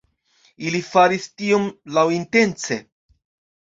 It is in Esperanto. Ili faris tion laŭintence.